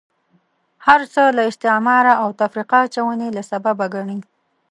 هرڅه له استعماره او تفرقه اچونې له سببه ګڼي.